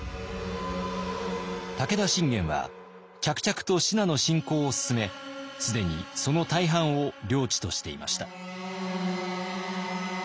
武田信玄は着々と信濃侵攻を進め既にその大半を領地としていました。